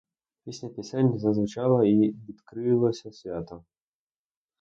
Пісня пісень зазвучала і відкрилося свято.